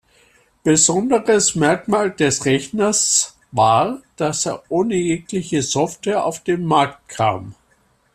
Besonderes Merkmal des Rechners war, dass er ohne jegliche Software auf den Markt kam.